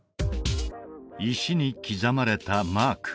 石に刻まれたマーク